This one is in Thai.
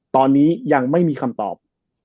ตอนนี้ยังไม่มีคำตอบ